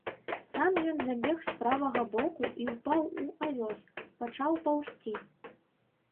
Сам ён забег з правага боку і ўпаў у авёс, пачаў паўзці.